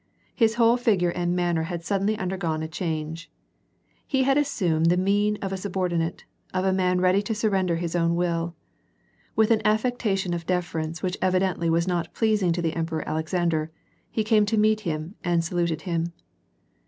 His whole figure and manner had suddenly undergone a change. He had assumed the mien of a subordinate, of a man ready to surrender his own will. With an affectation of deference, which evidently was not pleasing to the ^mperor Alexander, he came tojneet him and saluted him.